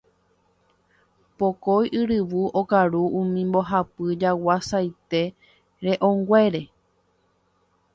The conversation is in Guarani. Pokõi yryvu okaru umi mbohapy jagua saite re'õnguére.